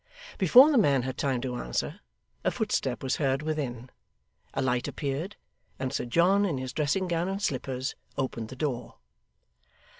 Before the man had time to answer, a footstep was heard within, a light appeared, and Sir John, in his dressing gown and slippers, opened the door.